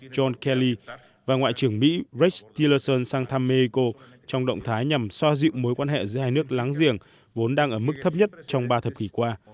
john kelly và ngoại trưởng mỹ rex tillerson sang thăm mexico trong động thái nhằm soa dịu mối quan hệ giữa hai nước láng giềng vốn đang ở mức thấp nhất trong ba thập kỷ qua